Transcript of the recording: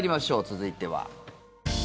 続いては。